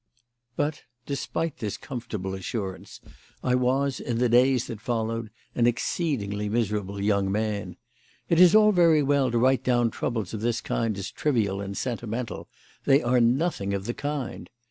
But, despite this comfortable assurance, I was, in the days that followed, an exceedingly miserable young man. It is all very well to write down troubles of this kind as trivial and sentimental. They are nothing of the kind.